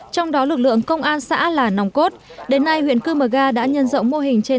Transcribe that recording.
trong đó lực lượng công an xã là nòng cốt đến nay huyện cư mờ ga đã nhân rộng mô hình trên